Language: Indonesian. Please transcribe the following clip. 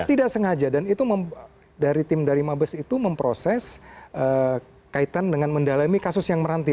tidak sengaja dan itu dari tim dari mabes itu memproses kaitan dengan mendalami kasus yang meranti